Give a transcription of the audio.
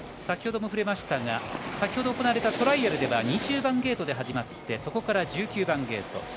先ほども触れましたが先ほど行われたトライアルでは２０番ゲートで始まってそこから１９番ゲート。